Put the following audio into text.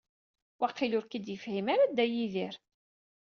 Waqil ur k-id-yefhim ara Dda Yidir.